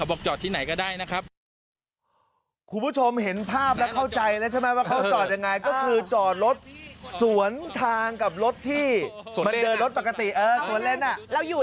เราพุ่งไปเลย